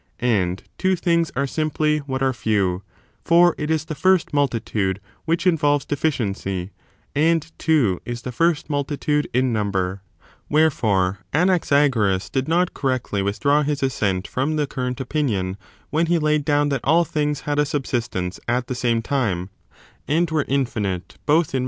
And two things are simply what are few ; for it is the first multitude which involves deficiency, and two is the first multitude in number.* 3. Error of ^ Wherefore, Ana^agoras did not correctly with AnaxaffOTM on draw his asscut from the current opinion when thu point. j^^ Yq\^ down that all things had a subsistence at the same time,^ and were infinite both in multitude and ' Vide book XII.